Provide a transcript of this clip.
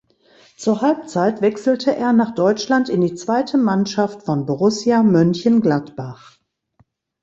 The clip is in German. Zur Halbzeit wechselte er nach Deutschland in die zweite Mannschaft von Borussia Mönchengladbach.